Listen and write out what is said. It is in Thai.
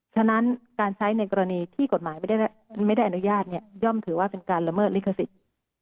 ฉะนั้นการใช้ในกรณีที่กฎหมายไม่ได้อนุญาตย่อมถือว่าเป็นการละเมิดลิขสิทธิ์